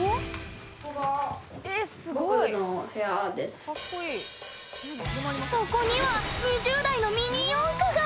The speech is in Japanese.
ここがそこには２０台のミニ四駆が！